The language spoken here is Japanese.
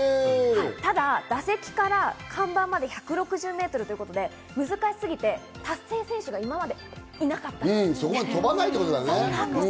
ただ打席から看板まで１６０メートルということで難しすぎて達成選手が今までいなかったんです。